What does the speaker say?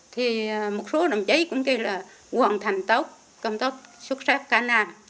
thì một số đồng chí cũng kêu là quần thành tốt công tốt xuất sắc cả năm